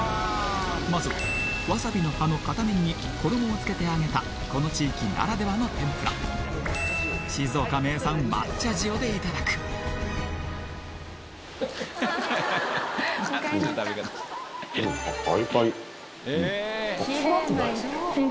まずはわさびの葉の片面に衣をつけて揚げたこの地域ならではの天ぷら静岡名産抹茶塩でいただくパリパリ